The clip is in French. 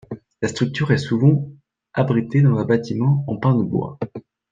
La structure est souvent abritée dans un bâtiment en pan de bois.